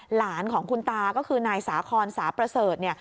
หลานของคุณตาก็คือนายสาครสาประเสริฐ